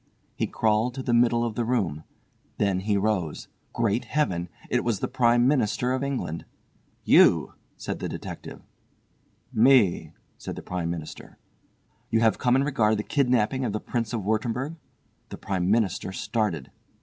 He crawled to the middle of the room. Then he rose. Great Heaven! It was the Prime Minister of England. "You!" said the detective. "Me," said the Prime Minister. "You have come in regard the kidnapping of the Prince of Wurttemberg?" The Prime Minister started.